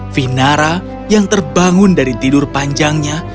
vinara yang terbangun dari tidur panjangnya